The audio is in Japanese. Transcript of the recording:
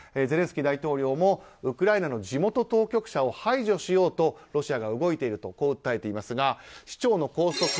ゼレンスキー大統領もウクライナの地元当局者を排除しようとロシアが動いていると訴えていますが市長の拘束